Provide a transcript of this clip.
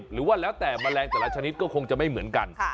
หรือว่าแล้วแต่แมลงแต่ละชนิดก็คงจะไม่เหมือนกัน